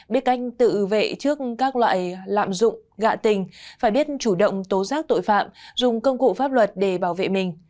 biết canh tự vệ trước các loại lạm dụng gạ tình phải biết chủ động tố giác tội phạm dùng công cụ pháp luật để bảo vệ mình